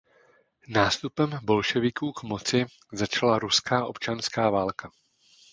Nástupem bolševiků k moci začala Ruská občanská válka.